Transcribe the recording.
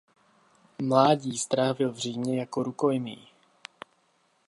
Mládí strávil v Římě jako rukojmí.